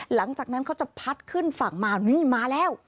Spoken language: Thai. หลังจากนั้นเขาจะพัดขึ้นฝั่งมานี่มาแล้ว